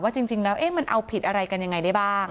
ว่าจริงจริงแล้วเอ๊ะมันเอาผิดอะไรกันยังไงได้บ้าง